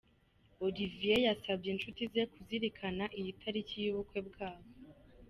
Olivier yasabye inshuti ze kuzirikana iyi taliki y’ubukwe bwabo.